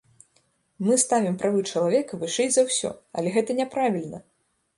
Мы ставім правы чалавека вышэй за ўсё, але гэта няправільна!